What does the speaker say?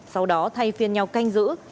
sau đó thay phiên nhau canh giữ